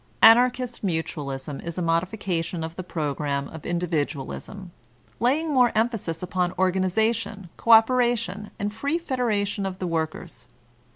Anarchist Mutualism is a modification of the program of Individualism, laying more emphasis upon organiza tion, co operation and free federation of the workers.